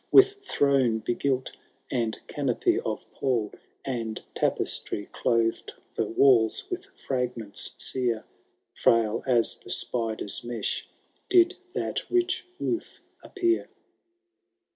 With throne begilt, and canopy of pall. And tapestry clothed the walls with fragments sear Frail as the spider ^s mesh did that rich woof appear.